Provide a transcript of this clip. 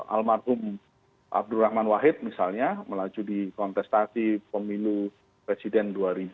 almarhum abdurrahman wahid misalnya melaju dikontestasi pemilu presiden dua ribu empat